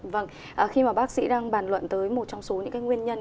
vâng khi mà bác sĩ đang bàn luận tới một trong số những cái nguyên nhân